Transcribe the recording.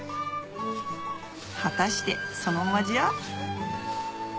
果たしてそのお味は？